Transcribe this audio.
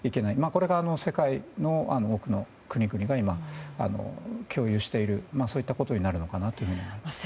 これが世界の多くの国々が今、共有しているそういったことになるのかなと思います。